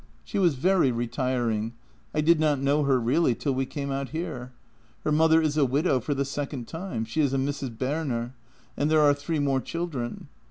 She was very retiring; I did not know her really till we came out here. Her mother is a widow for the second time — she is a Mrs. Berner — and there are three more children.